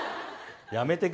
やめてくれよ。